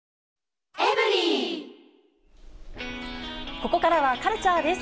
ここからはカルチャーです。